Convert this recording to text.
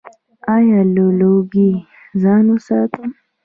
ایا له لوګي ځان وساتم؟